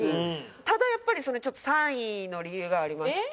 ただやっぱり３位の理由がありまして。